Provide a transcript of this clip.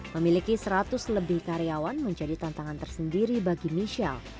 memiliki seratus lebih karyawan menjadi tantangan tersendiri bagi michelle